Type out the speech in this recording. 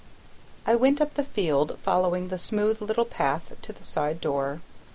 I went up the field, following the smooth little path to the side door.